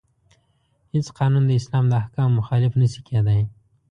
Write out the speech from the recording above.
هیڅ قانون د اسلام د احکامو مخالف نشي کیدای.